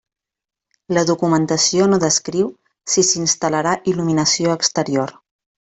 La documentació no descriu si s'instal·larà il·luminació exterior.